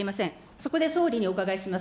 そこで総理にお伺いします。